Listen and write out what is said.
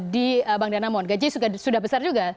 di bangdana mall gaji sudah besar juga